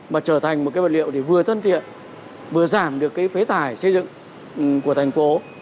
mà trở thành một cái vật liệu thì vừa thân thiện vừa giảm được cái phế thải xây dựng của thành phố